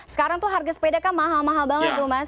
sekarang tuh harga sepeda kan mahal mahal banget tuh mas